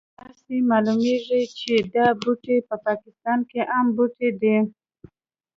داسې معلومیږي چې دا بوټی په افغانستان کې عام بوټی دی